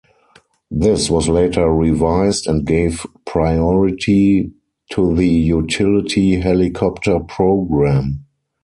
This was later revised and gave priority to the utility helicopter program.